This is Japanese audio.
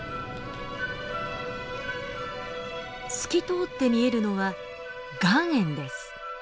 透き通って見えるのは岩塩です。